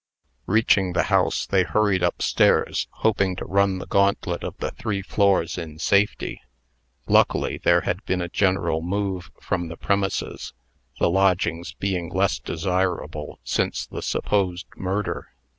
Reaching the house, they hurried up stairs, hoping to run the gauntlet of the three floors in safety. Luckily, there had been a general move from the premises the lodgings being less desirable since the supposed murder.